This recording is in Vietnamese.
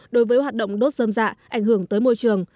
đối với hoạt động đốt dơm dạ ảnh hưởng tới môi trường